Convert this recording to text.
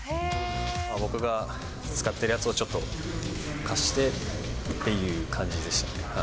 僕が使ってるやつをちょっと貸してっていう感じでしたね。